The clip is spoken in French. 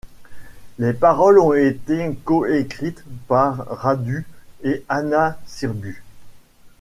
Les paroles ont été coécrites par Radu et Ana Sirbu.